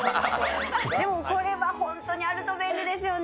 でもこれは本当にあると便利ですよね。